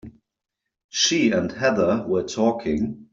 She and Heather were talking.